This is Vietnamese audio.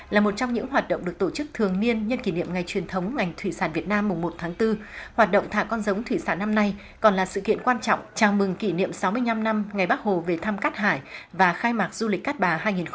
là một trong những hoạt động được tổ chức thường niên nhân kỷ niệm ngày truyền thống ngành thủy sản việt nam mùng một tháng bốn hoạt động thả con giống thủy sản năm nay còn là sự kiện quan trọng chào mừng kỷ niệm sáu mươi năm năm ngày bắc hồ về thám cát hải và khai mạc du lịch cát bà hai nghìn hai mươi bốn